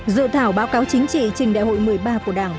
dự thảo báo cáo chính trị trình đại hội một mươi ba của đảng